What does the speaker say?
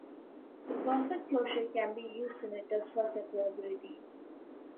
The perfect closure can be used in a test for separability.